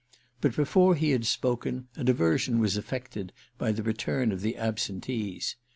But before he had spoken a diversion was effected by the return of the absentees.